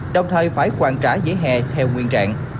đồng thời phải quản trả dưới hè theo nguyên trạng